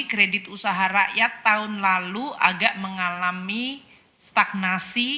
kredit usaha rakyat tahun lalu agak mengalami stagnasi